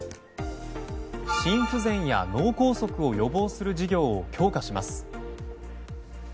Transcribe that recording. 心不全や脳梗塞を予防する事業を強化します。